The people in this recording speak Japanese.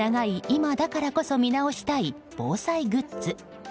今だからこそ見直したい防災グッズ。